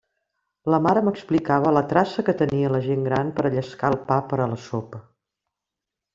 La mare m'explicava la traça que tenia la gent gran per a llescar el pa per a la sopa.